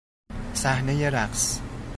صحنهی رقص